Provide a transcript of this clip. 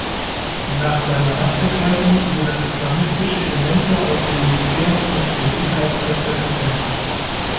Nach seiner Machtergreifung wurden islamistische Elemente aus dem Militär und den Sicherheitskräften entfernt.